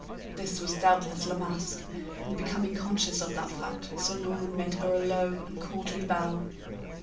This was doubtless La Masque, and becoming conscious of that fact Sir Norman made her a low and courtly bow.